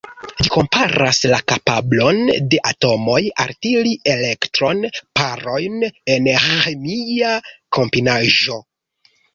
Ĝi komparas la kapablon de atomoj altiri elektron-parojn en ĥemia kombinaĵo.